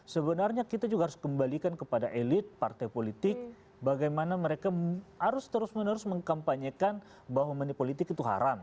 sebenarnya kita juga harus kembalikan kepada elit partai politik bagaimana mereka harus terus menerus mengkampanyekan bahwa manipolitik itu haram